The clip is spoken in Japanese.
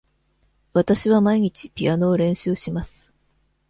わたしは毎日ピアノを練習します。